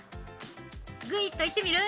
グイッといってみる？